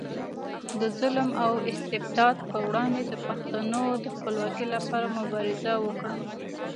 د ظلم او استبداد پر وړاندې د پښتنو د خپلواکۍ لپاره مبارزه وکړه.